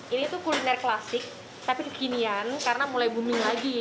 ini tuh kuliner klasik tapi kekinian karena mulai booming lagi